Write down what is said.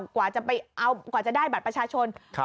กว่าจะได้บัตรประชาชน